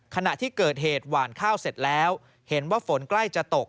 ขณะที่เกิดเหตุหวานข้าวเสร็จแล้วเห็นว่าฝนใกล้จะตก